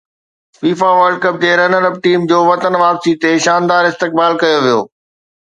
FIFA World Cup جي runner up team جو وطن واپسي تي شاندار استقبال ڪيو ويو